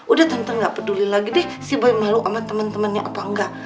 udah tante gak peduli lagi deh si boy malu sama temen temennya apa enggak